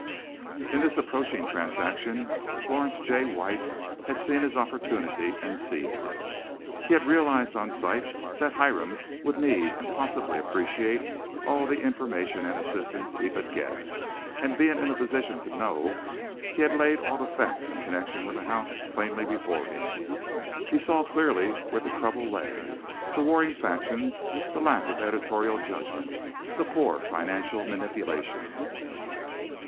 In this approaching transaction Florence J. White had seen his opportunity and seized it. He had realized on sight that Hiram would need and possibly appreciate all the information and assistance he could get, and being in a position to know he had laid all the facts in connection with the house plainly before him. He saw clearly where the trouble lay, the warring factions, the lack of editorial judgment, the poor financial manipulations.